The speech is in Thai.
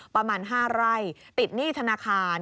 ประมาณ๕ไร่ติดหนี้ธนาคาร